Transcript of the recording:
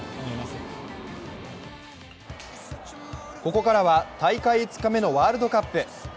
ここからは大会５日目のワールドカップ。